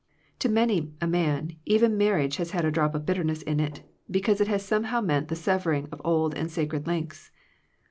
To many a man, even marriage has had a drop of bitterness in it, because it has somehow meant the severing of old and sacred links.